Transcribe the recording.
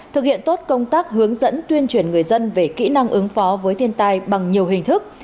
thực hiện tốt công tác hướng dẫn tuyên truyền người dân về kỹ năng ứng phó với thiên tai bằng nhiều hình thức